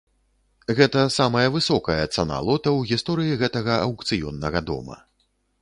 Гэта самая высокая цана лота ў гісторыі гэтага аўкцыённага дома.